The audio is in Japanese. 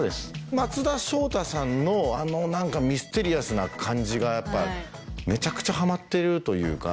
松田翔太さんのあのミステリアスな感じがめちゃくちゃハマってるというか。